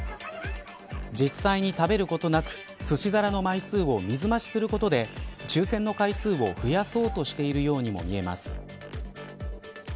実際に食べることなくすし皿の枚数を水増しすることで抽選の回数を増やそうとしているようにも見えます。